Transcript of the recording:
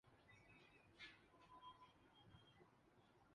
پابندیاں جو تھیں۔